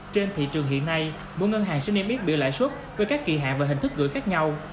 trên thị trường hiện nay mỗi ngân hàng sẽ niêm yết biểu lãi suất với các kỳ hạn và hình thức gửi khác nhau